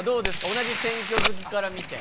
同じ選挙好きから見て。